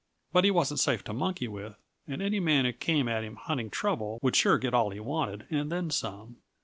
But he wasn't safe to monkey with, and any man who came at him hunting trouble would sure get all he wanted and then some.